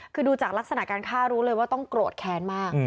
คือดูจากลักษณะการฆ่ารู้เลยว่าต้องโกรธแค้นมาก